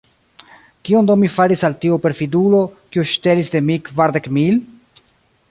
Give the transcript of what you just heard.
Kion do mi faris al tiu perfidulo, kiu ŝtelis de mi kvardek mil?